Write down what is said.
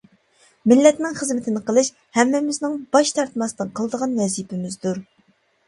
مىللەتنىڭ خىزمىتىنى قىلىش ھەممىمىزنىڭ باش تارتماستىن قىلىدىغان ۋەزىپىمىزدۇر.